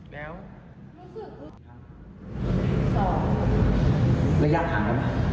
รู้สึก